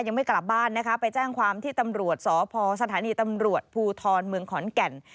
ยังไม่กลับบ้านนะคะไปแจ้งความที่ตำรวจสพสถานีตำรวจภูทรเมืองขอนแก่น